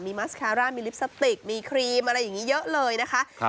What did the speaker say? มีมัสคาร่ามีลิปสติกมีครีมอะไรอย่างนี้เยอะเลยนะคะ